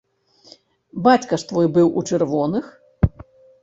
Бацька ж твой быў у чырвоных?!